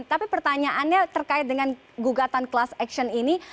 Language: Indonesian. tapi pertanyaannya terkait dengan gugatan kelas aksion ini